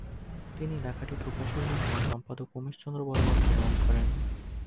তিনি লেখাটি প্রকাশের জন্য সম্পাদক উমেশ চন্দ্র বরাবর প্রেরণ করেন।